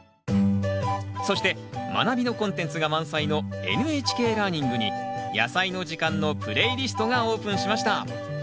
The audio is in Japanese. そして「まなび」のコンテンツが満載の「ＮＨＫラーニング」に「やさいの時間」のプレイリストがオープンしました。